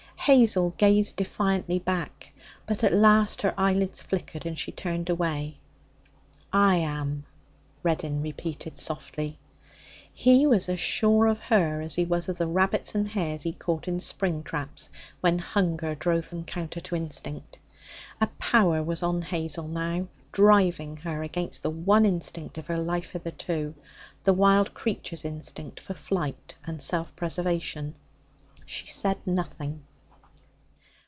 Hazel gazed defiantly back; but at last her eyelids flickered, and she turned away. 'I am,' Reddin repeated softly. He was as sure of her as he was of the rabbits and hares he caught in spring traps when hunger drove them counter to instinct. A power was on Hazel now, driving her against the one instinct of her life hitherto the wild creature's instinct for flight and self preservation. She said nothing.